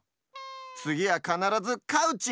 つぎはかならずカウチ！